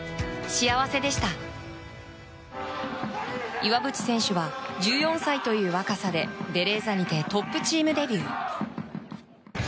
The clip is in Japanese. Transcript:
岩渕選手は１４歳という若さでベレーザにてトップチームデビュー。